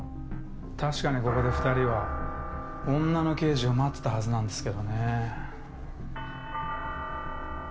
確かにここで２人は女の刑事を待ってたはずなんですけどね。